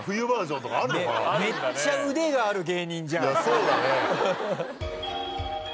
そうだね。